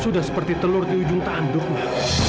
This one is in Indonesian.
sudah seperti telur di ujung tanduk ma